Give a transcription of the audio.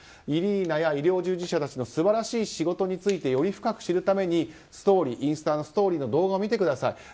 イリーナや医療従事者たちの素晴らしい仕事についてより深く知るためにインスタのストーリーの動画を見てください。